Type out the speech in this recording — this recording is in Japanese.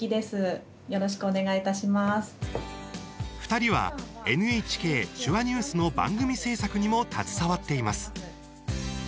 ２人はＮＨＫ「手話ニュース」の番組制作にも携わっています。